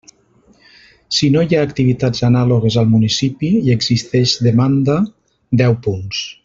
Si no hi ha activitats anàlogues al municipi i existeix demanda: deu punts.